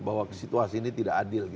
bahwa situasi ini tidak adil